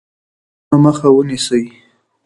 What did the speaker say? د مچانو مخه ونیسئ.